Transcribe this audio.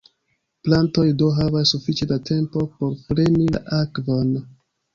Plantoj do havas sufiĉe da tempo por preni la akvon.